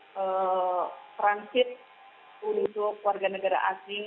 dan juga berhasil untuk berhasil untuk warga negara asing